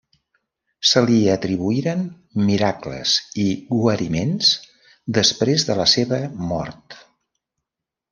Se li atribuïren miracles i guariments després de la seva mort.